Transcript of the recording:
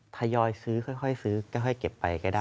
ทยอยซื้อค่อยซื้อค่อยเก็บไปก็ได้